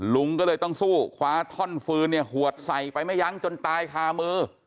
ลุงก็เลยต้องสู้คว้าท่อนฟืนเนี่ยหวดใส่ไปไม่ยั้งจนตายคามือ